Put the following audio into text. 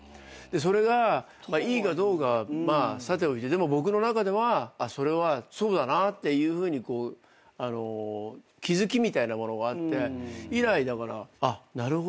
それがいいかどうかはさておいてでも僕の中ではそれはそうだなっていうふうに気付きみたいなものがあって以来だからなるほど。